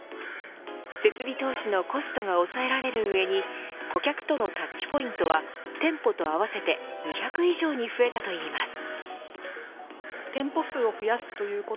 設備投資のコストが抑えられる上に顧客とのタッチポイントは店舗と合わせて２００以上に増えたといいます。